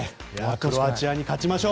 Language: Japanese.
クロアチアに勝ちましょう。